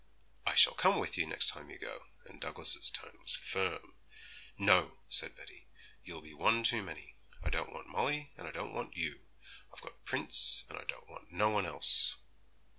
'I shall come with you next time you go,' and Douglas's tone was firm. 'No,' said Betty; 'you'll be one too many. I don't want Molly, and I don't want you. I've got Prince, and I don't want no one else.'